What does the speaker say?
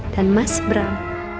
dan mas bram